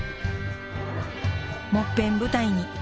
もっぺん舞台に。